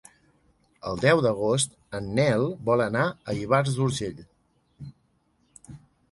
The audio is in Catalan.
El deu d'agost en Nel vol anar a Ivars d'Urgell.